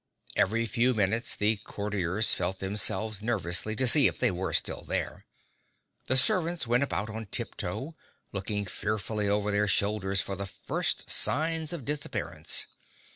Every few minutes the Courtiers felt themselves nervously to see if they were still there. The servants went about on tip toe, looking fearfully over their shoulders for the first signs of disappearance.